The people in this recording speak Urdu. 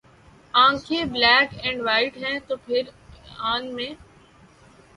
آنکھیں ’ بلیک اینڈ وائٹ ‘ ہیں تو پھر ان میں